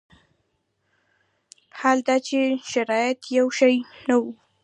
حال دا چې شرایط یو شان وي.